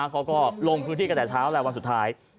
เขาก็ลงพื้นที่กันแต่เช้าแหละวันสุดท้าย